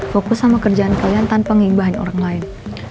fokus sama kerjaan kalian tanpa mengimbahin orang lain